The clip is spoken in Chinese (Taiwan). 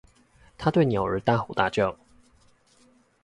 他對鳥兒大吼大叫！